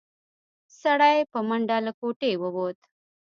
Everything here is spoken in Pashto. سړی په منډه له کوټې ووت.